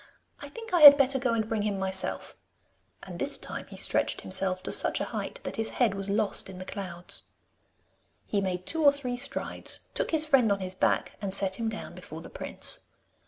I think I had better go and bring him myself,' and this time he stretched himself to such a height that his head was lost in the clouds. He made two or three strides, took his friend on his back, and set him down before the prince.